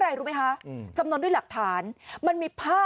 กลุ่มหนึ่งก็คือ